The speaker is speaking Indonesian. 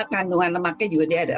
kandungan lemaknya juga dia ada